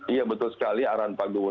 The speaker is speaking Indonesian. iya betul sekali arahan pak gubernur